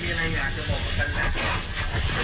สวัสดีค่ะที่จอมฝันครับ